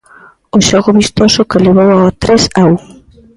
O xogo vistoso que levou ao tres a un.